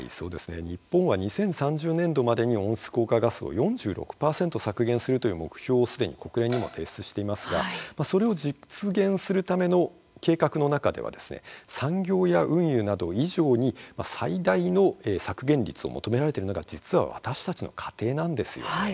日本は２０３０年度までに温室効果ガスを４６％削減するという目標をすでに国連にも提出していますがそれを実現するための計画の中では産業や運輸など以上に最大の削減率を求められているのが実は、私たちの家庭なんです。